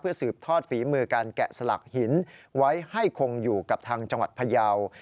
สืบทอดฝีมือการแกะสลักหินไว้ให้คงอยู่กับทางจังหวัดพยาว